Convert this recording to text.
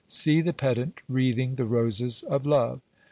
See the pedant wreathing the roses of Love!